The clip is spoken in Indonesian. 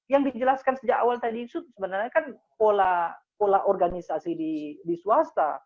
yang dijelaskan sejak awal tadi itu sebenarnya kan pola organisasi di swasta